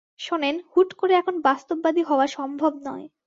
শোনেন, হুট করে এখন বাস্তববাদী হওয়া সম্ভব নয়।